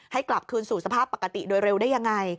กลับคืนสู่สภาพปกติโดยเร็วได้ยังไง